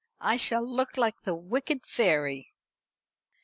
"I shall look like the wicked Fairy."